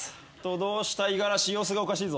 どうしたイガラシ様子がおかしいぞ。